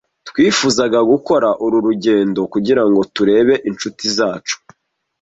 Twifuzaga gukora uru rugendo kugirango turebe inshuti zacu.